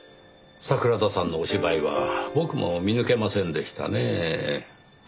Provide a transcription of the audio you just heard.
桜田さんのお芝居は僕も見抜けませんでしたねぇ。